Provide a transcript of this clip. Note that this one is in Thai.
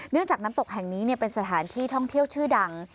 จากน้ำตกแห่งนี้เป็นสถานที่ท่องเที่ยวชื่อดัง